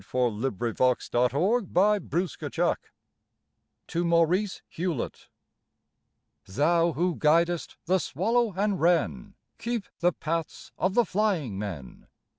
66 FLOWER OF YOUTH FOR THE AIRMEN (To MAURICE HEWLETT) THOU who guides! the swallow and wren. Keep the paths of the flying men